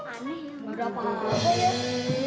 ani berapa aja ya